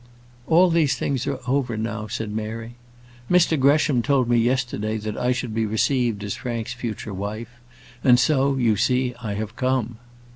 "All these things are over now," said Mary. "Mr Gresham told me yesterday that I should be received as Frank's future wife; and so, you see, I have come."